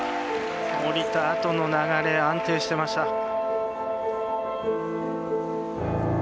降りたあとの流れ安定していました。